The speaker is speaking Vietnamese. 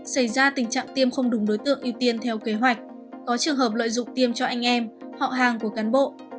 xảy ra tình trạng tiêm không đúng đối tượng ưu tiên theo kế hoạch có trường hợp lợi dụng tiêm cho anh em họ hàng của cán bộ